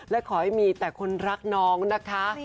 และขอให้มีแต่คนรักน้องนะคะ